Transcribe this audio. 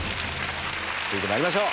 続いて参りましょう。